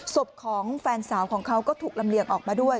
ศพของแฟนสาวของเขาก็ถูกลำเลียงออกมาด้วย